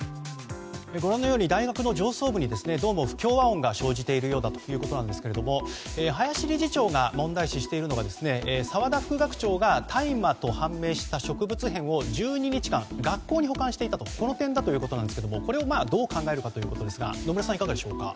ご覧のように大学の上層部にどうも不協和音が生じているようだということですが林理事長が問題視しているのは澤田副学長が大麻と判明した植物片を１２日間学校に保管していたとこの点だということですがこれをどう考えるのかということですが野村さん、いかがでしょうか？